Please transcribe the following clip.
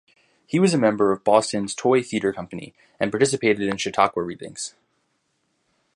He was a member of Boston's Toy Theater company and participated in Chautauqua readings.